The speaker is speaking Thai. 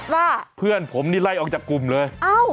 ว่าเพื่อนผมนี่ไล่ออกจากกลุ่มเลย